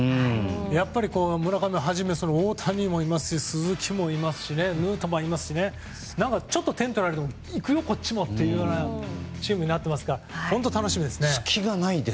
やっぱり村上はじめ大谷もいますし、鈴木もいますしヌートバーもいますしちょっと点取られてもこっちも行くよというチームになっていますから本当に楽しみですね。